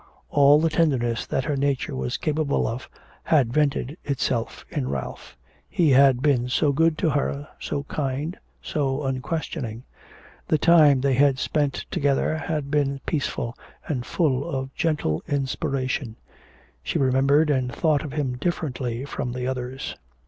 All the tenderness that her nature was capable of had vented itself in Ralph; he had been so good to her, so kind, so unquestioning; the time they had spent together had been peaceful, and full of gentle inspiration; she remembered and thought of him differently from the others.